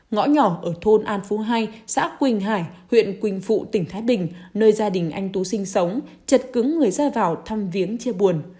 ngõ nhỏ ở thôn an phú hai xã quỳnh hải huyện quỳnh phụ tỉnh thái bình nơi gia đình anh tú sinh sống chật cứng người ra vào thăm viếng chia buồn